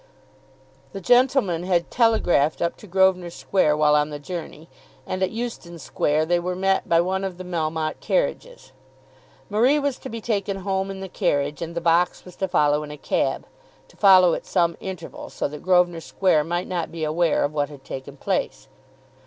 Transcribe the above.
The gentleman had telegraphed up to Grosvenor Square while on the journey, and at Euston Square they were met by one of the Melmotte carriages. Marie was to be taken home in the carriage, and the box was to follow in a cab; to follow at some interval so that Grosvenor Square might not be aware of what had taken place.